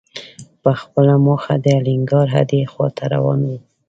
په خپله مخه د الینګار هډې خواته روان و.